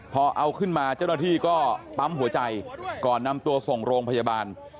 พอเอาขึ้นมาเจ้าหน้าที่ก็ปั๊มหัวใจก่อนนำตัวส่งโรงพยาบาล